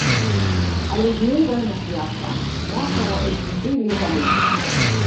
Alijiunga na siasa mwaka wa elfu mbili kamili